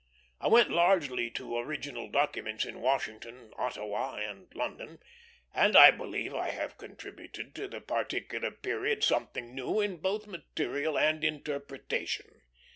I went largely to original documents in Washington, Ottawa, and London, and I believe I have contributed to the particular period something new in both material and interpretation.